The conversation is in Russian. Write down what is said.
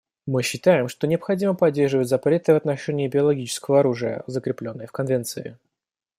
Мы считаем, что необходимо поддерживать запреты в отношении биологического оружия, закрепленные в Конвенции.